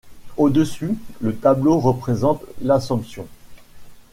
Au-dessus, le tableau représente l'Assomption.